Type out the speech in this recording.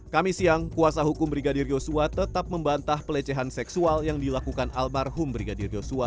kami siang kuasa hukum brigadir yosua tetap membantah pelecehan seksual yang dilakukan almarhum brigadir yosua